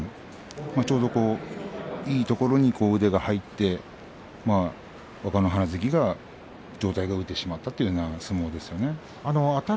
ちょうどいいところに腕が入って若乃花関が上体が浮いてしまったという相撲でした。